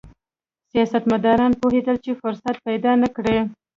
سیاستمداران پوهېدل چې فرصت پیدا نه کړي.